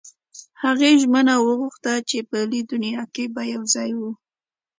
هغې ژمنه وغوښته چې په بله دنیا کې به یو ځای وو